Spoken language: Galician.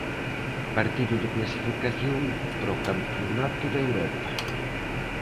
Partido de clasificación para o Campionato de Europa.